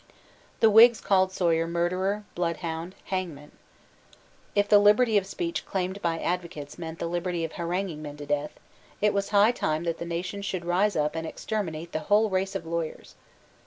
The Whigs called Sawyer murderer, bloodhound, hangman. If the liberty of speech claimed by advocates meant the liberty of haranguing men to death, it was high time that the nation should rise up and exterminate the whole race of lawyers.